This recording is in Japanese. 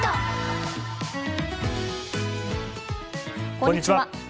こんにちは。